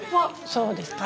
そうですか？